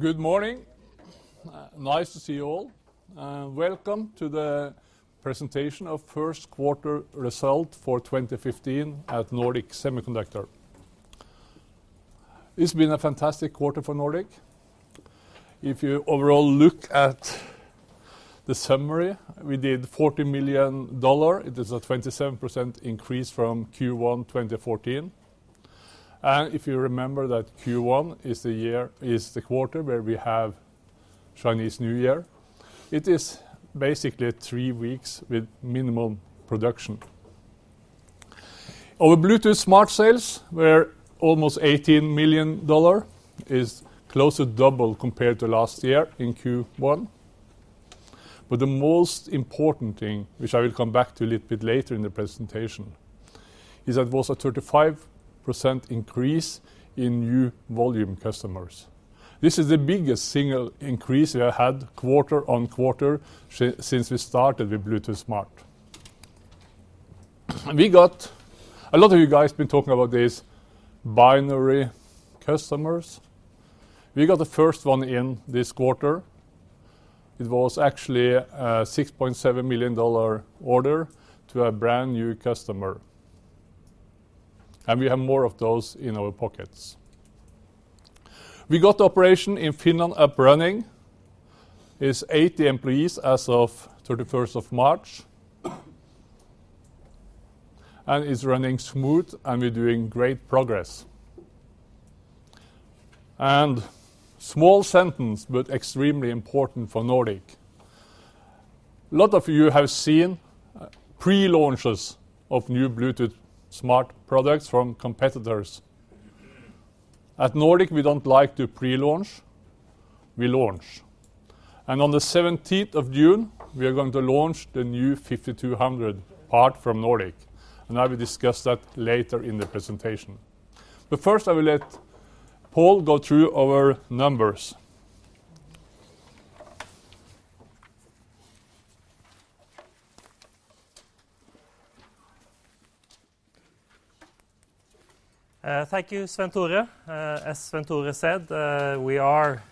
Good morning. Nice to see you all, welcome to the presentation of first quarter result for 2015 at Nordic Semiconductor. It's been a fantastic quarter for Nordic. If you overall look at the summary, we did $40 million. It is a 27% increase from Q1 2014. If you remember that Q1 is the quarter where we have Chinese New Year, it is basically three weeks with minimum production. Our Bluetooth Smart sales were almost $18 million, is close to double compared to last year in Q1. The most important thing, which I will come back to a little bit later in the presentation, is that it was a 35% increase in new volume customers. This is the biggest single increase we have had quarter on quarter since we started with Bluetooth Smart. A lot of you guys been talking about these binary customers. We got the first one in this quarter. It was actually a $6.7 million order to a brand-new customer. We have more of those in our pockets. We got the operation in Finland up running. It's 80 employees as of 31st of March. It's running smooth. We're doing great progress. Small sentence, but extremely important for Nordic, a lot of you have seen pre-launches of new Bluetooth Smart products from competitors. At Nordic, we don't like to pre-launch, we launch. On the 17th of June, we are going to launch the new nRF52 Series part from Nordic. I will discuss that later in the presentation. First, I will let Pål go through our numbers. Thank you, Svenn-Tore. As Svenn-Tore said, we are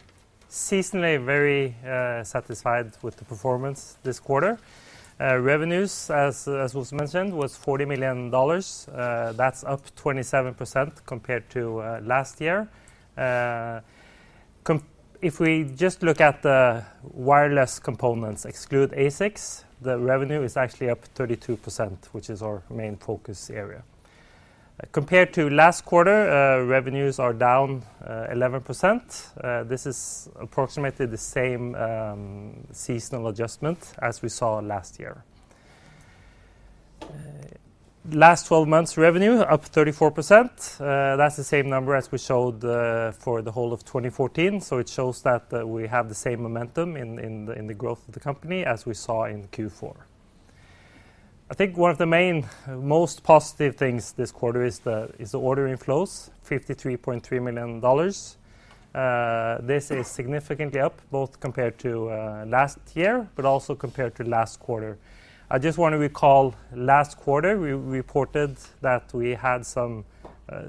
seasonally very satisfied with the performance this quarter. Revenues, as was mentioned, was $40 million, that's up 27% compared to last year. If we just look at the wireless components, exclude ASICs, the revenue is actually up 32%, which is our main focus area. Compared to last quarter, revenues are down 11%. This is approximately the same seasonal adjustment as we saw last year. Last 12 months revenue, up 34%. That's the same number as we showed for the whole of 2014, so it shows that we have the same momentum in the growth of the company as we saw in Q4. I think one of the main, most positive things this quarter is the order inflows, $53.3 million. This is significantly up, both compared to last year, also compared to last quarter. I just want to recall, last quarter, we reported that we had some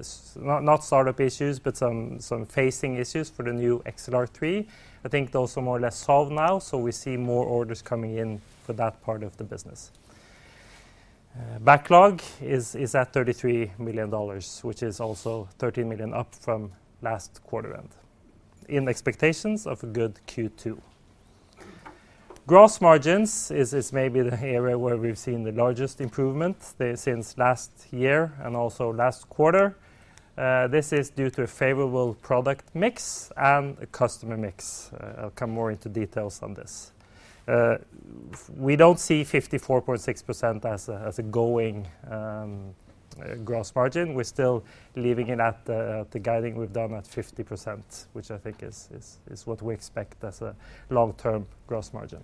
startup issues, but some phasing issues for the new XLR3. I think those are more or less solved now. We see more orders coming in for that part of the business. Backlog is at $33 million, which is also $13 million up from last quarter end, in expectations of a good Q2. Gross margins is maybe the area where we've seen the largest improvement since last year and also last quarter. This is due to a favorable product mix and a customer mix. I'll come more into details on this. We don't see 54.6% as a going gross margin. We're still leaving it at the guiding we've done at 50%, which I think is what we expect as a long-term gross margin.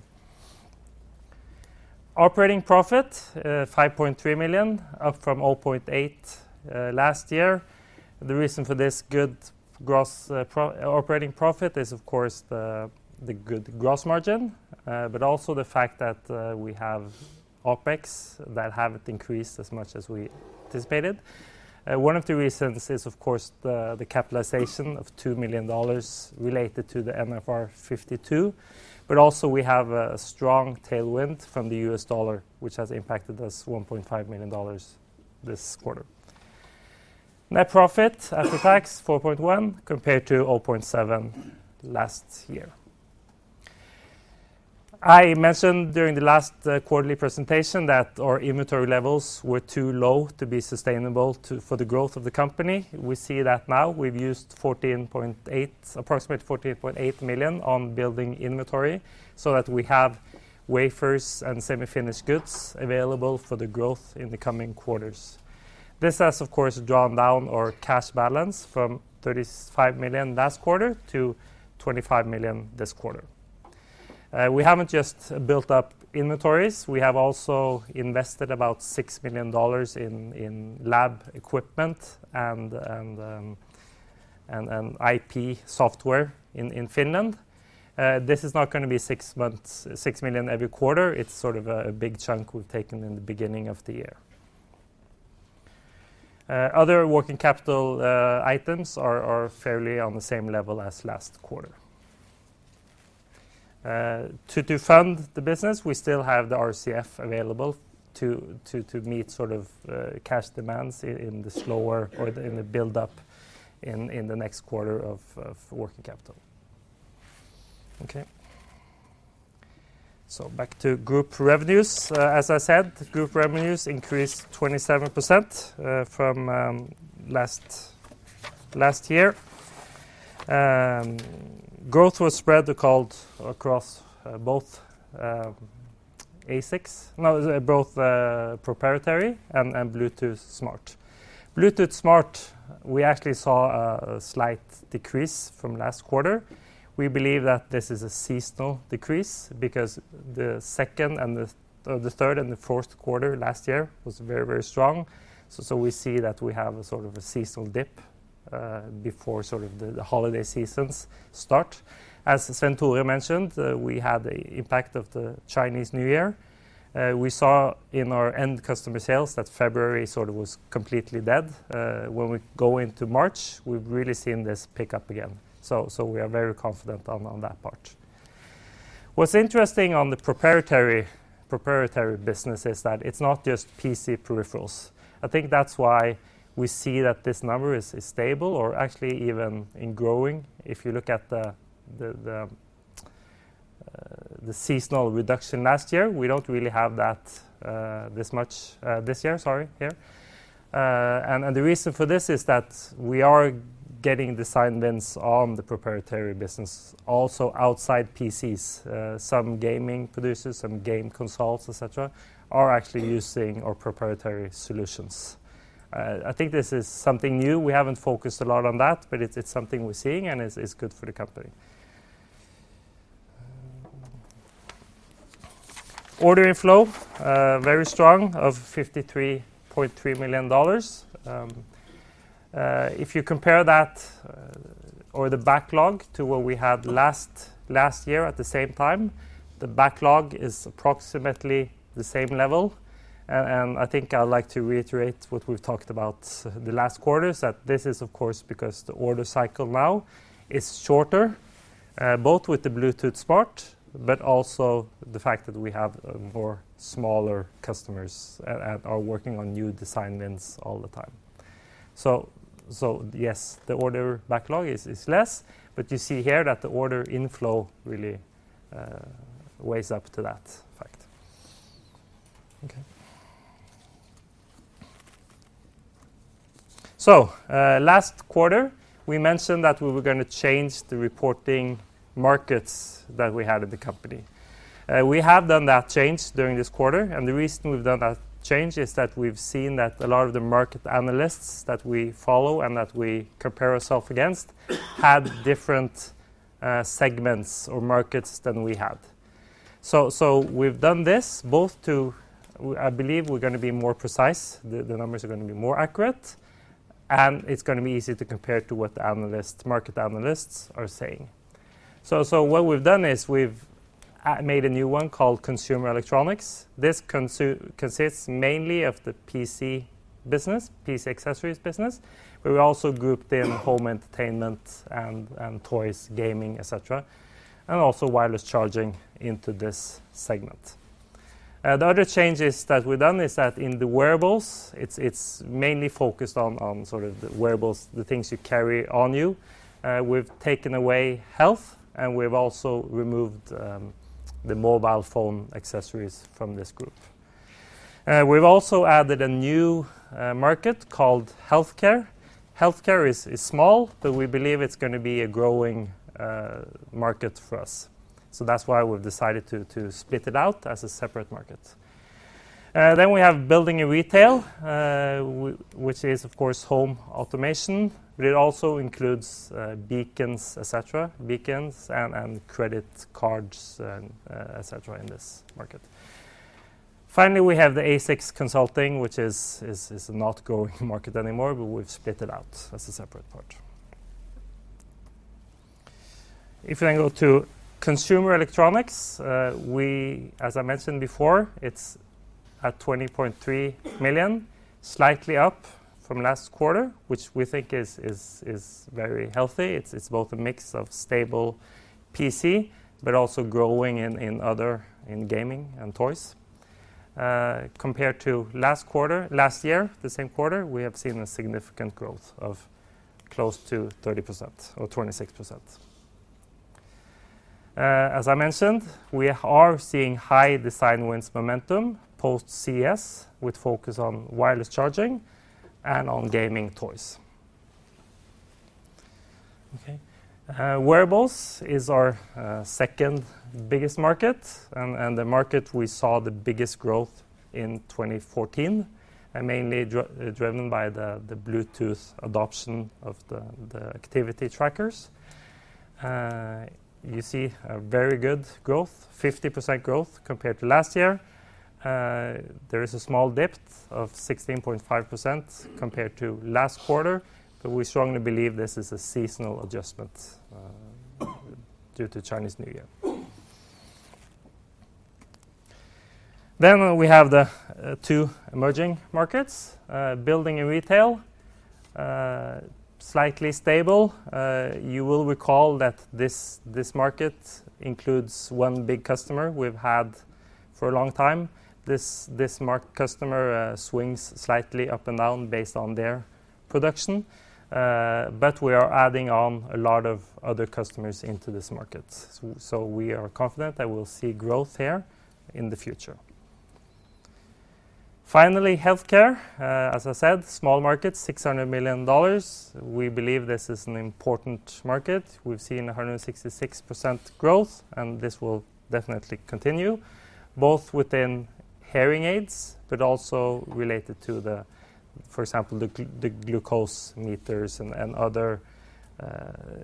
Operating profit, $5.3 million, up from $0.8 million last year. The reason for this good operating profit is, of course, the good gross margin, but also the fact that we have OpEx that haven't increased as much as we anticipated. One of the reasons is, of course, the capitalization of $2 million related to the nRF52, also we have a strong tailwind from the U.S. dollar, which has impacted us $1.5 million this quarter. Net profit after tax $4.1, compared to $0.7 last year. I mentioned during the last quarterly presentation that our inventory levels were too low to be sustainable for the growth of the company. We see that now. We've used approximate $14.8 million on building inventory so that we have wafers and semi-finished goods available for the growth in the coming quarters. This has, of course, drawn down our cash balance from $35 million last quarter to $25 million this quarter. We haven't just built up inventories, we have also invested about $6 million in lab equipment and IP software in Finland. This is not gonna be six months, $6 million every quarter, it's sort of a big chunk we've taken in the beginning of the year. Other working capital items are fairly on the same level as last quarter. To fund the business, we still have the RCF available to meet sort of cash demands in the slower or in the buildup in the next quarter of working capital. Okay? Back to group revenues. As I said, group revenues increased 27% from last year. Growth was spread across both proprietary and Bluetooth Smart. Bluetooth Smart, we actually saw a slight decrease from last quarter. We believe that this is a seasonal decrease because the second and the third and the fourth quarter last year was very strong. We see that we have a sort of a seasonal dip before sort of the holiday seasons start. As Svenn-Tore mentioned, we had the impact of the Chinese New Year. We saw in our end customer sales that February sort of was completely dead. When we go into March, we've really seen this pick up again. We are very confident on that part. What's interesting on the proprietary business is that it's not just PC peripherals. I think that's why we see that this number is stable or actually even in growing. If you look at the seasonal reduction last year, we don't really have that this much this year, sorry, here. The reason for this is that we are getting design wins on the proprietary business, also outside PCs. Some gaming producers, some game consoles, et cetera, are actually using our proprietary solutions. I think this is something new. We haven't focused a lot on that, but it's something we're seeing, and it's good for the company. Order inflow, very strong, of $53.3 million. If you compare that, or the backlog to what we had last year at the same time, the backlog is approximately the same level. I think I would like to reiterate what we've talked about the last quarters, that this is, of course, because the order cycle now is shorter, both with the Bluetooth Smart, but also the fact that we have more smaller customers and are working on new design wins all the time. Yes, the order backlog is less, but you see here that the order inflow really weighs up to that fact. Last quarter, we mentioned that we were going to change the reporting markets that we had in the company. We have done that change during this quarter, and the reason we've done that change is that we've seen that a lot of the market analysts that we follow and that we compare ourself against, had different segments or markets than we had. We've done this both to. I believe we're going to be more precise, the numbers are going to be more accurate, and it's going to be easy to compare to what the analysts, market analysts are saying. What we've done is we've made a new one called Consumer Electronics. This consists mainly of the PC business, PC accessories business, but we also grouped in home entertainment and toys, gaming, et cetera, and also wireless charging into this segment. The other changes that we've done is that in the wearables, it's mainly focused on sort of the wearables, the things you carry on you. We've taken away health, and we've also removed the mobile phone accessories from this group. We've also added a new market called healthcare. Healthcare is small, but we believe it's going to be a growing market for us. That's why we've decided to split it out as a separate market. We have building and retail, which is, of course, home automation. It also includes Beacons, et cetera, Beacons and credit cards and, et cetera, in this market. Finally, we have the ASIC consulting, which is not growing market anymore, but we've split it out as a separate part. If you go to Consumer Electronics, as I mentioned before, it's at $20.3 million, slightly up from last quarter, which we think is very healthy. It's both a mix of stable PC, but also growing in other, in gaming and toys. Compared to last quarter, last year, the same quarter, we have seen a significant growth of close to 30% or 26%. As I mentioned, we are seeing high design wins momentum post-CES, with focus on wireless charging and on gaming toys. Okay. Wearables is our second biggest market and the market we saw the biggest growth in 2014, and mainly driven by the Bluetooth adoption of the activity trackers. You see a very good growth, 50% growth compared to last year. There is a small dip of 16.5% compared to last quarter, but we strongly believe this is a seasonal adjustment due to Chinese New Year. We have the two emerging markets, building and retail. Slightly stable. You will recall that this market includes one big customer we've had for a long time. This customer swings slightly up and down based on their production, but we are adding on a lot of other customers into this market. We are confident that we'll see growth here in the future. Finally, healthcare. As I said, small market, $600 million. We believe this is an important market. We've seen 166% growth, and this will definitely continue, both within hearing aids but also related to, for example, the glucose meters and other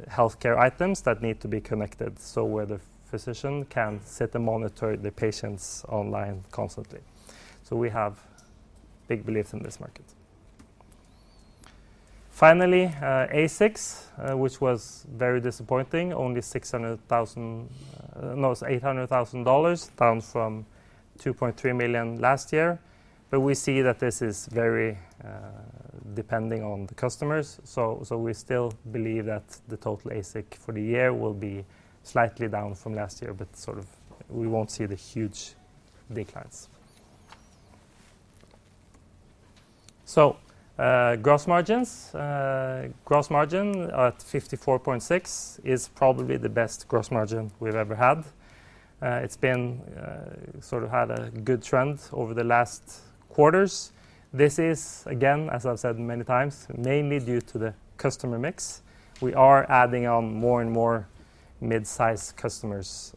healthcare items that need to be connected, so where the physician can sit and monitor the patients online constantly. We have big belief in this market. ASICs, which was very disappointing, only $0.6 million, almost $0.8 million, down from $2.3 million last year. We see that this is very depending on the customers, we still believe that the total ASIC for the year will be slightly down from last year, sort of we won't see the huge declines. Gross margins. Gross margin at 54.6% is probably the best gross margin we've ever had. It's been sort of had a good trend over the last quarters. This is, again, as I've said many times, mainly due to the customer mix. We are adding on more and more mid-size customers,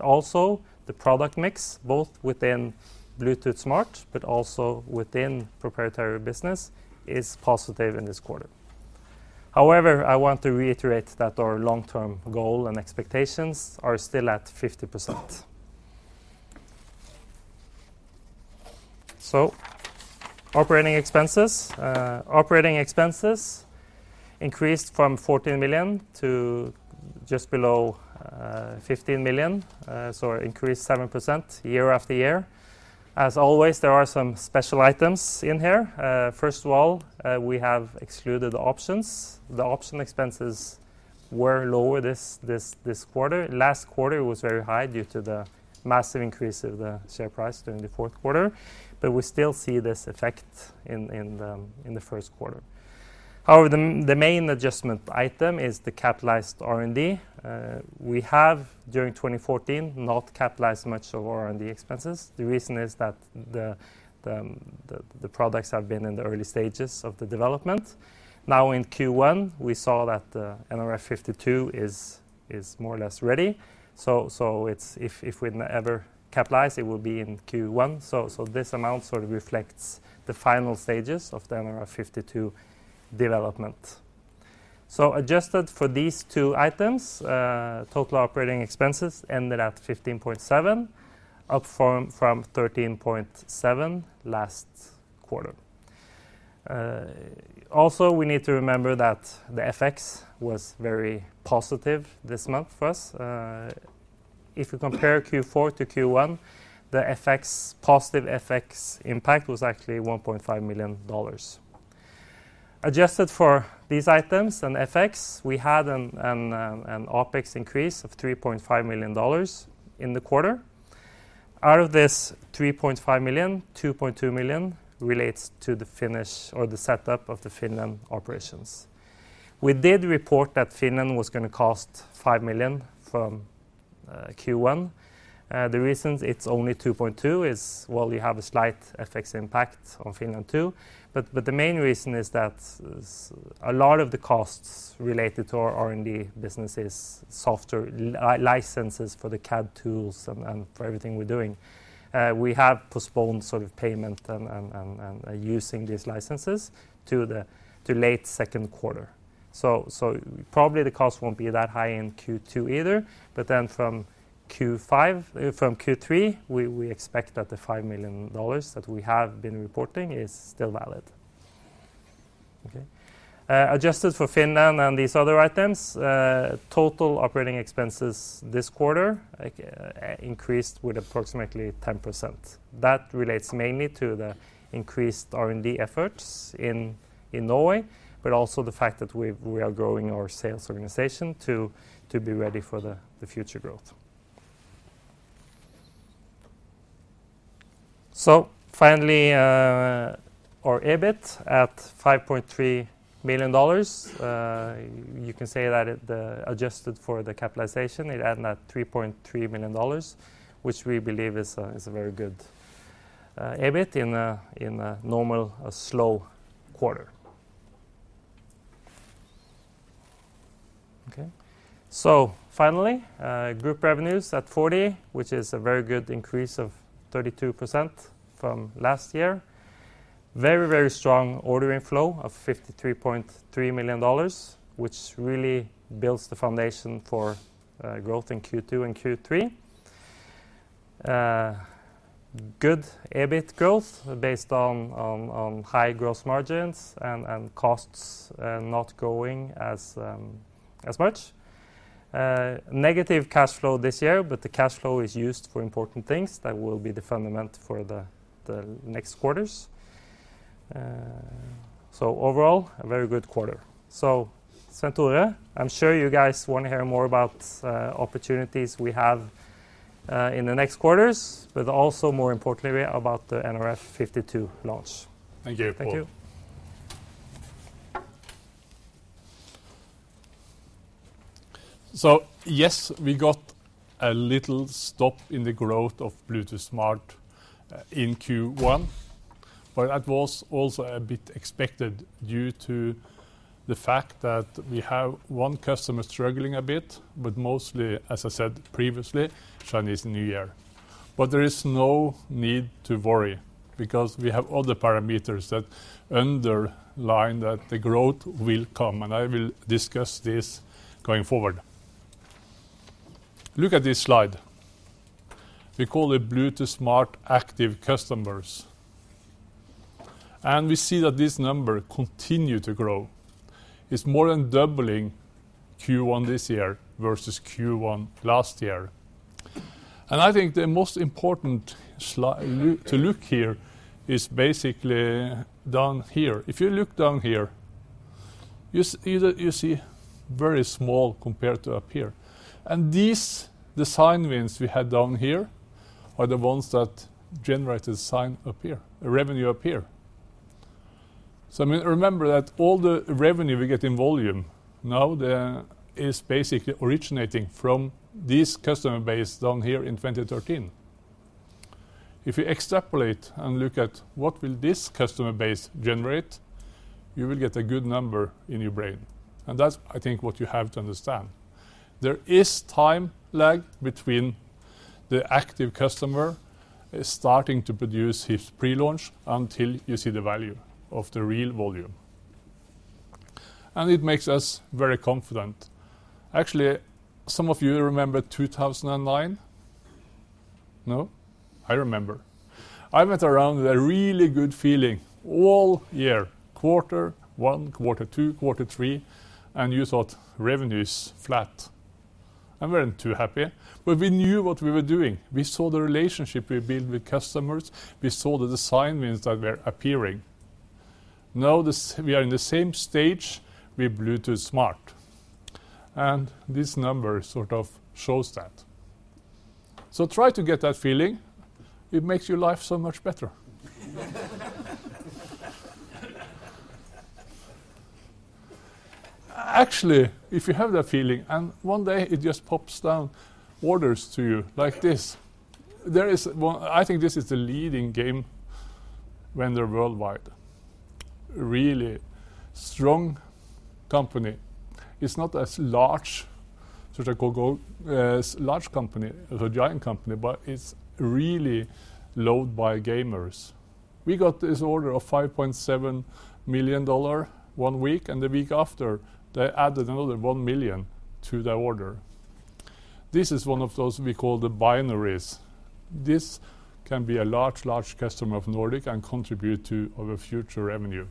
also the product mix, both within Bluetooth Smart, also within proprietary business, is positive in this quarter. I want to reiterate that our long-term goal and expectations are still at 50%. Operating expenses. Operating expenses increased from $14 million to just below $15 million, increased 7% year-over-year. As always, there are some special items in here. First of all, we have excluded the options. The option expenses were lower this quarter. Last quarter, it was very high due to the massive increase of the share price during the fourth quarter, we still see this effect in the first quarter. The main adjustment item is the capitalized R&D. We have, during 2014, not capitalized much of our R&D expenses. The reason is that the products have been in the early stages of the development. In Q1, we saw that the nRF52 is more or less ready. It's if we ever capitalize, it will be in Q1. This amount sort of reflects the final stages of the nRF52 development. Adjusted for these two items, total operating expenses ended at $15.7, up from $13.7 last quarter. Also, we need to remember that the FX was very positive this month for us. If you compare Q4 to Q1, the FX, positive FX impact was actually $1.5 million. Adjusted for these items and FX, we had an OpEx increase of $3.5 million in the quarter. Out of this $3.5 million, $2.2 million relates to the finish or the setup of the Finland operations. We did report that Finland was gonna cost $5 million from Q1. The reason it's only $2.2 is, well, we have a slight FX impact on Finland, too, but the main reason is that a lot of the costs related to our R&D business is software licenses for the CAD tools and for everything we're doing. We have postponed sort of payment and using these licenses to late second quarter. Probably the cost won't be that high in Q2 either, but from Q5, from Q3, we expect that the $5 million that we have been reporting is still valid. Okay? Adjusted for Finland and these other items, total operating expenses this quarter, increased with approximately 10%. That relates mainly to the increased R&D efforts in Norway, but also the fact that we are growing our sales organization to be ready for the future growth. Finally, our EBIT at $5.3 million. You can say that it, adjusted for the capitalization, it ended at $3.3 million, which we believe is a very good EBIT in a normal, a slow quarter. Okay? Finally, group revenues at $40 million, which is a very good increase of 32% from last year. Very strong ordering flow of $53.3 million, which really builds the foundation for growth in Q2 and Q3. Good EBIT growth based on high gross margins and costs not going as much. Negative cash flow this year, the cash flow is used for important things that will be the fundament for the next quarters. Overall, a very good quarter. Svenn-Tore, I'm sure you guys wanna hear more about opportunities we have in the next quarters, but also more importantly, about the nRF52 launch. Thank you, Pål. Thank you. Yes, we got a little stop in the growth of Bluetooth Smart in Q1, that was also a bit expected due to the fact that we have one customer struggling a bit, mostly, as I said previously, Chinese New Year. There is no need to worry, because we have other parameters that underline that the growth will come, I will discuss this going forward. Look at this slide. We call it Bluetooth Smart Active Customers, we see that this number continue to grow. It's more than doubling Q1 this year versus Q1 last year. I think the most important to look here is basically down here. If you look down here, you either you see very small compared to up here. These design wins we had down here are the ones that generated sign up here, a revenue up here. I mean, remember that all the revenue we get in volume is basically originating from this customer base down here in 2013. If you extrapolate and look at what will this customer base generate, you will get a good number in your brain. That's, I think, what you have to understand. There is time lag between the active customer is starting to produce his pre-launch until you see the value of the real volume. It makes us very confident. Actually, some of you remember 2009? No? I remember. I went around with a really good feeling all year, quarter one, quarter two, quarter three, and you thought revenue is flat, and we weren't too happy. We knew what we were doing. We saw the relationship we built with customers, we saw that the sign-ins that were appearing. We are in the same stage with Bluetooth Smart, and this number sort of shows that. Try to get that feeling. It makes your life so much better. Actually, if you have that feeling, and one day it just pops down orders to you like this, I think this is the leading game vendor worldwide. Really strong company. It's not as large, so they go, as large company, as a giant company, but it's really loved by gamers. We got this order of $5.7 million one week, and the week after, they added another $1 million to their order. This is one of those we call the binaries. This can be a large customer of Nordic and contribute to our future revenue.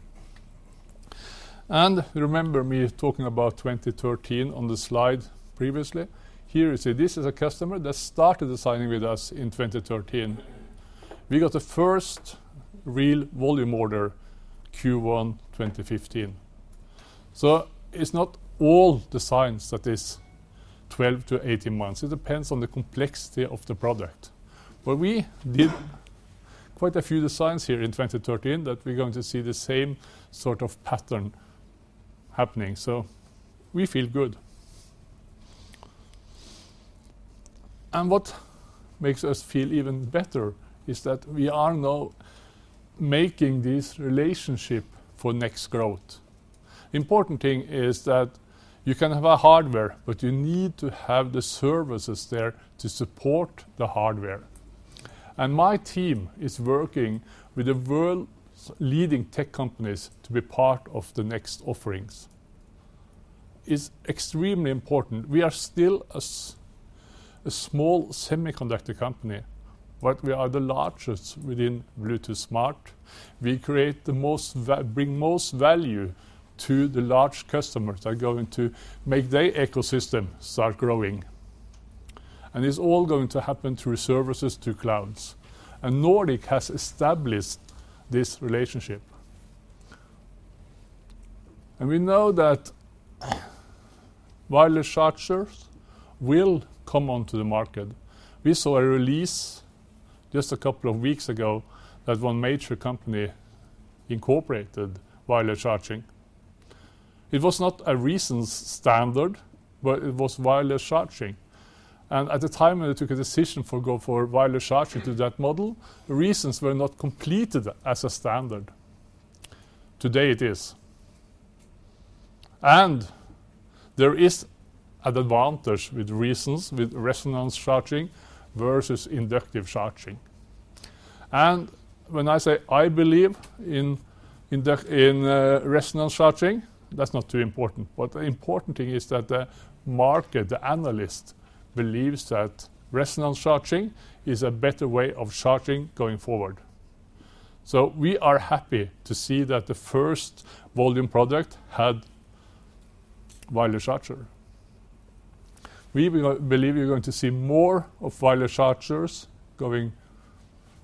Remember me talking about 2013 on the slide previously? Here, you see, this is a customer that started designing with us in 2013. We got the first real volume order, Q1, 2015. It's not all the signs that is 12 months-18 months. It depends on the complexity of the product. We did quite a few designs here in 2013, that we're going to see the same sort of pattern happening, so we feel good. What makes us feel even better is that we are now making this relationship for next growth. Important thing is that you can have a hardware, but you need to have the services there to support the hardware. My team is working with the world's leading tech companies to be part of the next offerings. It's extremely important. We are still a small semiconductor company, but we are the largest within Bluetooth Smart. We bring most value to the large customers that are going to make their ecosystem start growing. It's all going to happen through services to clouds. Nordic has established this relationship. We know that Wireless chargers will come onto the market. We saw a release just a couple of weeks ago that one major company incorporated Wireless charging. It was not a recent standard, but it was Wireless charging. At the time, when they took a decision for go for Wireless charging to that model, the reasons were not completed as a standard. Today, it is. There is an advantage with Rezence, with resonance charging versus inductive charging. When I say, I believe in the, in resonance charging, that's not too important. The important thing is that the market, the analyst, believes that resonance charging is a better way of charging going forward. We are happy to see that the first volume product had wireless charger. We believe we're going to see more of wireless chargers going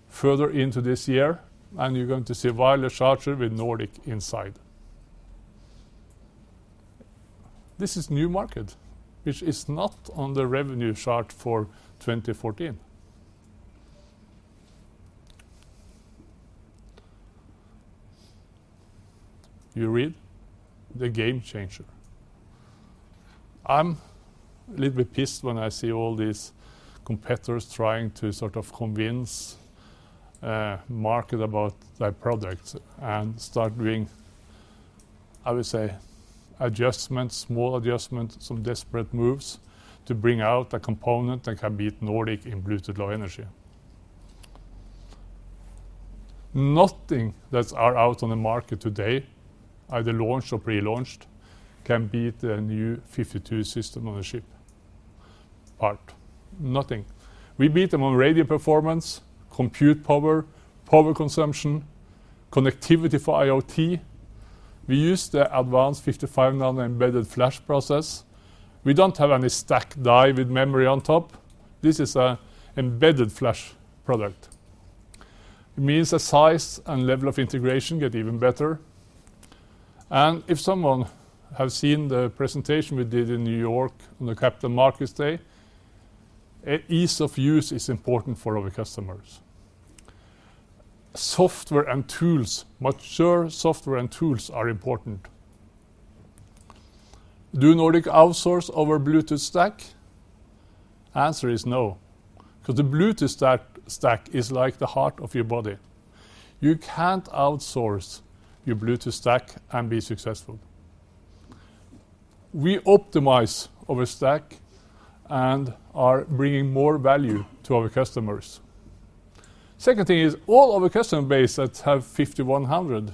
further into this year. You're going to see wireless charger with Nordic inside. This is new market, which is not on the revenue chart for 2014. You read? The game changer. I'm a little bit pissed when I see all these competitors trying to sort of convince market about their products and start doing, I would say, adjustments, small adjustments, some desperate moves, to bring out a component that can beat Nordic in Bluetooth Low Energy. Nothing that are out on the market today, either launched or pre-launched, can beat the new 52 System on a chip, part. Nothing. We beat them on radio performance, compute power consumption, connectivity for IoT. We use the advanced 55-nanometer embedded flash process. We don't have any stacked die with memory on top. This is a embedded flash product. It means the size and level of integration get even better, and if someone have seen the presentation we did in New York on the Capital Markets Day, ease of use is important for our customers. Software and tools, mature software and tools are important. Do Nordic outsource our Bluetooth stack? Answer is no, because the Bluetooth stack is like the heart of your body. You can't outsource your Bluetooth stack and be successful. We optimize our stack and are bringing more value to our customers. Second thing is, all of our customer base that have nRF51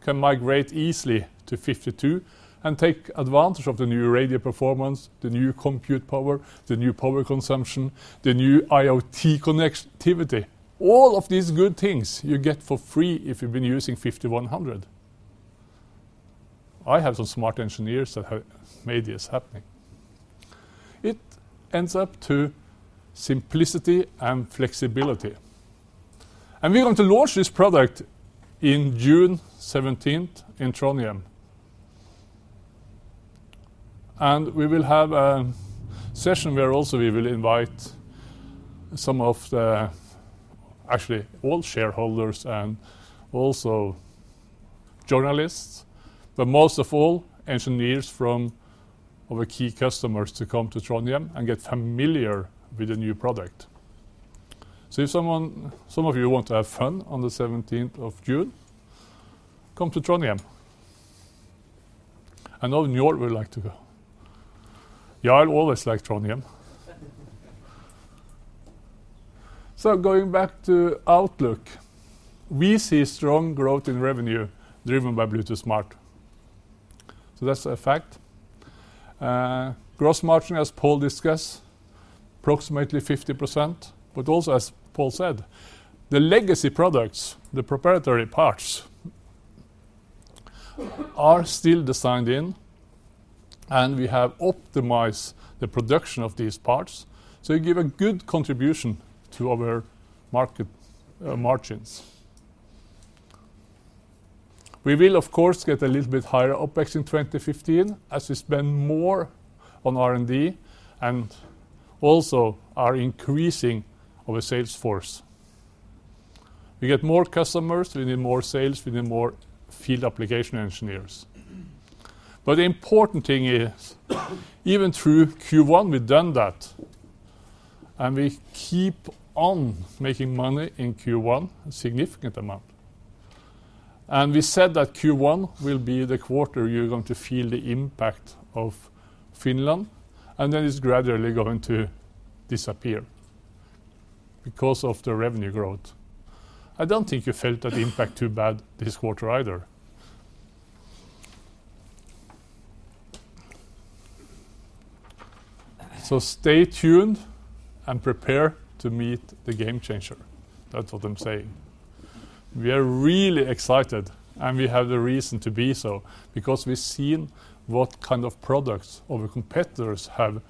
can migrate easily to nRF52 and take advantage of the new radio performance, the new compute power, the new power consumption, the new IoT connectivity. All of these good things you get for free if you've been using nRF51 have some smart engineers that have made this happening. It ends up to simplicity and flexibility. We're going to launch this product in June 17th, in Trondheim. We will have a session where also we will invite some of the—Actually, all shareholders and also journalists, but most of all, engineers from our key customers to come to Trondheim and get familiar with the new product. If someone, some of you want to have fun on the 17th of June, come to Trondheim. I know Jarl would like to go. Jarl always likes Trondheim. Going back to outlook, we see strong growth in revenue, driven by Bluetooth Smart. Gross margin, as Pål discussed, approximately 50%, but also, as Pål said, the legacy products, the proprietary parts, are still designed in, and we have optimized the production of these parts, so it give a good contribution to our market margins. We will, of course, get a little bit higher OpEx in 2015, as we spend more on R&D and also are increasing our sales force. We get more customers, we need more sales, we need more Field Application Engineers. The important thing is, even through Q1, we've done that, and we keep on making money in Q1, a significant amount. We said that Q1 will be the quarter you're going to feel the impact of Finland, and then it's gradually going to disappear because of the revenue growth. I don't think you felt that impact too bad this quarter either. Stay tuned, and prepare to meet the game changer. That's what I'm saying. We are really excited, and we have the reason to be so, because we've seen what kind of products our competitors have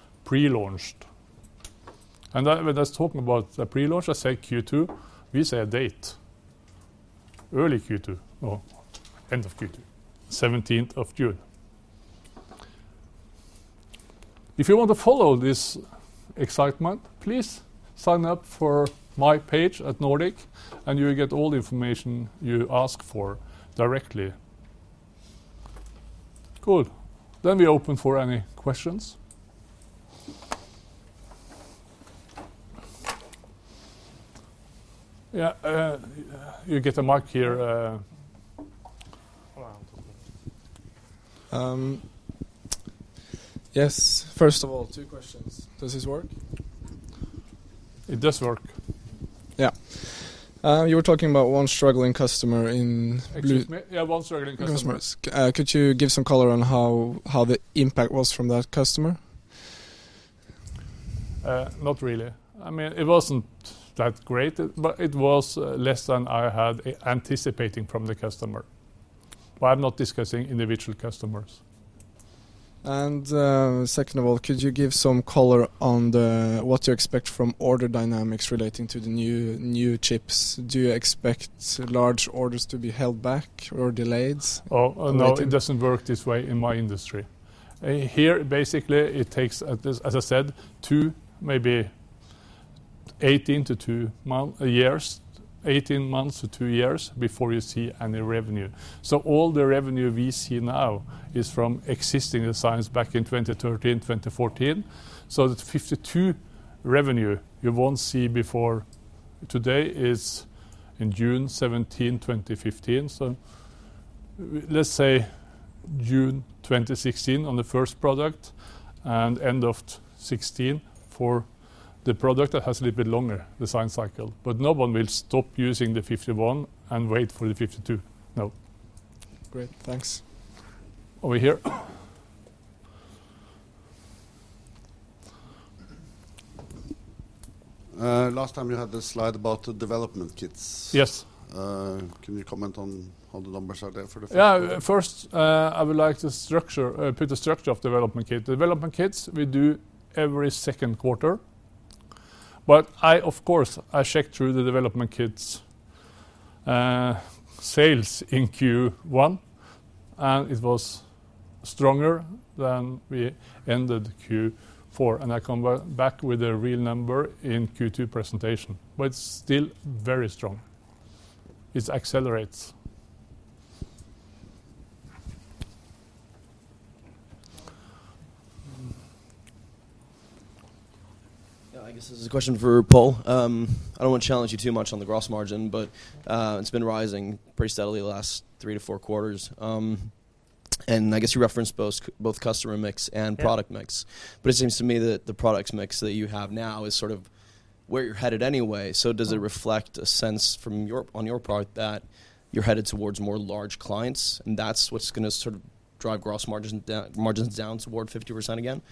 pre-launched. That, when I was talking about the pre-launch, I said Q2, we say a date, early Q2, or end of Q2, seventeenth of June. If you want to follow this excitement, please sign up for my page at Nordic, and you will get all the information you ask for directly. Cool. We open for any questions. Yeah, you get a mic here. Yes. First of all, two questions. Does this work? It does work. Yeah. You were talking about one struggling customer. Excuse me? Yeah, one struggling customer. Could you give some color on how the impact was from that customer? Not really. I mean, it wasn't that great, but it was less than I had anticipating from the customer. I'm not discussing individual customers. Second of all, could you give some color on what you expect from order dynamics relating to the new chips? Do you expect large orders to be held back or delayed? No, it doesn't work this way in my industry. Here, basically, it takes, as I said, 18 months to two years before you see any revenue. All the revenue we see now is from existing designs back in 2013, 2014. The nRF52 revenue you won't see before today is in June 17, 2015. Let's say June 2016 on the first product, and end of 2016 for the product that has a little bit longer design cycle. No one will stop using the nRF51 and wait for the nRF52. No. Great, thanks. Over here. Last time you had the slide about the development kits. Yes. Can you comment on how the numbers are there? First, I would like to structure, put the structure of development kit. Development kits, we do every second quarter, but I, of course, I checked through the development kits' sales in Q1, and it was stronger than we ended Q4, and I come back with a real number in Q2 presentation, but it's still very strong. It accelerates. Yeah, I guess this is a question for Pål. I don't want to challenge you too much on the gross margin, it's been rising pretty steadily the last three to four quarters. I guess you referenced both customer mix and product mix. It seems to me that the products mix that you have now is sort of where you're headed anyway. Does it reflect a sense on your part, that you're headed towards more large clients, and that's what's gonna sort of drive gross margins down toward 50% again?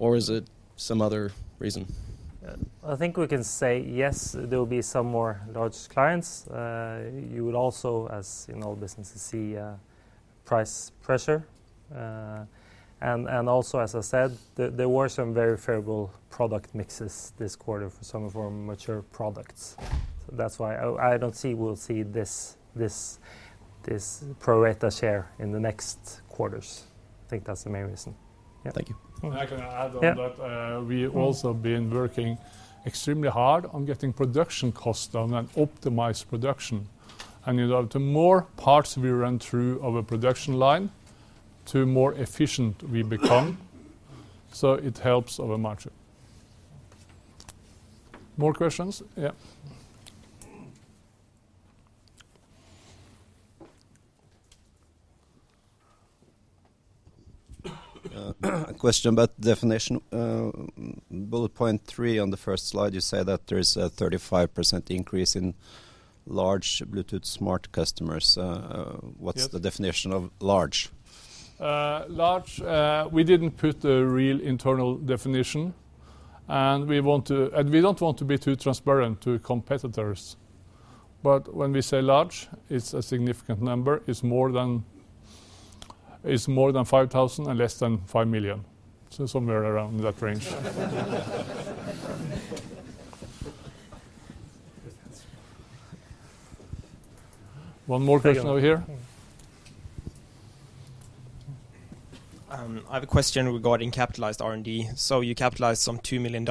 Is it some other reason? I think we can say, yes, there will be some more large clients. You would also, as in all businesses, see price pressure. Also, as I said, there were some very favorable product mixes this quarter for some of our mature products. That's why I don't see we'll see this pro rata share in the next quarters. I think that's the main reason. Yeah. Thank you. I can add on. We also been working extremely hard on getting production cost down and optimize production. You know, the more parts we run through of a production line, to more efficient we become, so it helps our margin. More questions? Yeah. A question about definition. bullet point three, on the first slide, you say that there is a 35% increase in large Bluetooth Smart customers. Yeah. What's the definition of large? Large, we didn't put a real internal definition. We don't want to be too transparent to competitors. When we say large, it's a significant number, it's more than 5,000 customers and less than 5 million customers. Somewhere around that range. Good answer. One more question over here. I have a question regarding capitalized R&D. You capitalized some $2 million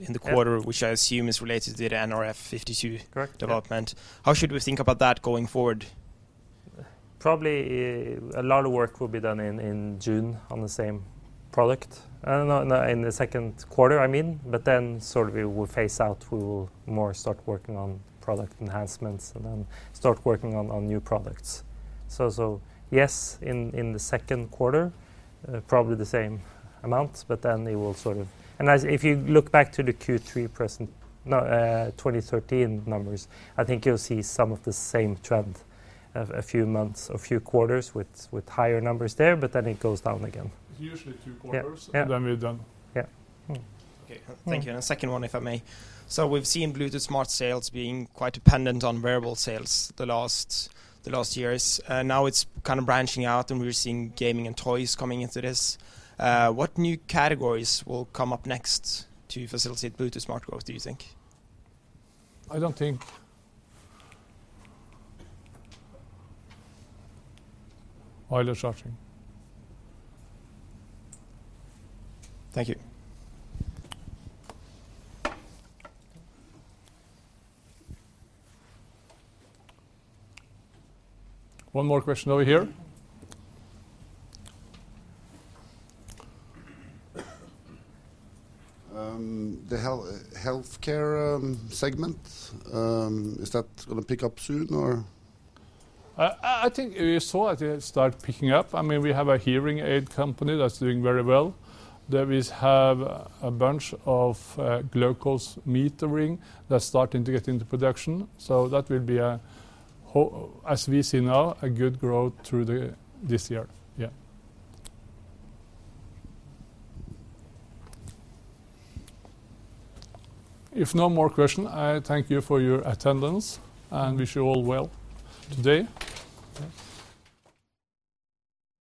in the quarter, which I assume is related to the nRF52 Development. How should we think about that going forward? Probably, a lot of work will be done in June on the same product. No, in the second quarter, I mean, but then sort of it will phase out. We will more start working on product enhancements and then start working on new products. Yes, in the second quarter, probably the same amount, but then it will sort of, if you look back to the Q3 present, no, 2013 numbers, I think you'll see some of the same trend of a few months, a few quarters with higher numbers there, but then it goes down again. Usually two quarters and then we're done. Yeah. Okay. Yeah. Thank you. A second one, if I may. We've seen Bluetooth Smart sales being quite dependent on wearable sales the last years. Now it's kind of branching out, and we're seeing gaming and toys coming into this. What new categories will come up next to facilitate Bluetooth Smart growth, do you think? I don't think. Thank you. One more question over here. The healthcare segment, is that gonna pick up soon, or? I think you saw it start picking up. I mean, we have a hearing aid company that's doing very well. We have a bunch of glucose metering that's starting to get into production. That will be as we see now, a good growth through this year. Yeah. If no more question, I thank you for your attendance and wish you all well today. Thanks.